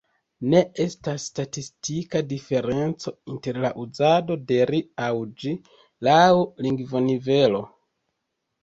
Ne estas statistika diferenco inter la uzado de ”ri” aŭ ”ĝi” laŭ lingvonivelo.